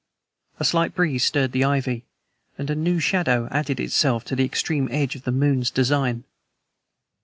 A slight breeze stirred the ivy, and a new shadow added itself to the extreme edge of the moon's design.